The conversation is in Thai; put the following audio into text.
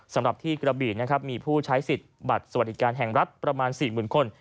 สำหรับที่กระบีนะครับมีผู้ใช้สิทธิ์บัตรสวัสดิการแห่งรัฐประมาณ๔๐๐๐คน